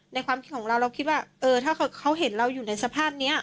ความคิดของเราเราคิดว่าถ้าเขาเห็นเราอยู่ในสภาพนี้